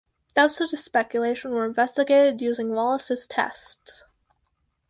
Doubts of this speculation were investigated using Wallice's tests.